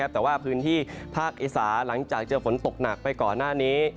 แต่ว่าพื้นที่ภาคอีสานหลังจากเจอฝนตกหนักไปก่อนหน้านี้